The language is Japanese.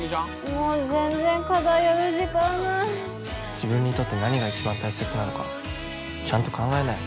もう全然課題やる時間ない自分にとって何が一番大切なのかちゃんと考えなよ